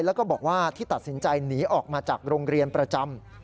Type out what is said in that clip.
แล้วก็บอกว่าที่ตัดสินใจหนีออกมาจากโรงเรียนประจำ